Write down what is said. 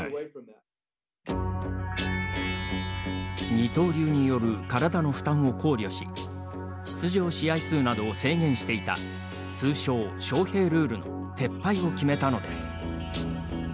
二刀流による体の負担を考慮し出場試合数などを制限していた通称ショウヘイルールの撤廃を決めたのです。